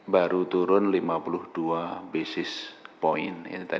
baru turun lima puluh dua basis point